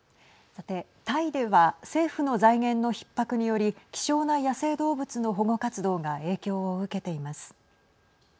さて、タイでは政府の財源のひっ迫により希少な野生動物の保護活動が影響を受けています。